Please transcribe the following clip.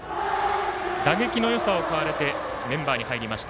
打撃のよさを買われてメンバーに入りました。